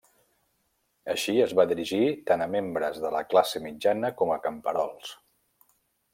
Així es va dirigir tant a membres de la classe mitjana com a camperols.